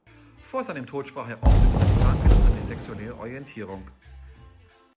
Vor seinem Tod sprach er offen über seine Krankheit und seine sexuelle Orientierung.